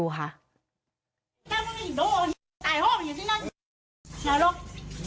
ข้อถ่าย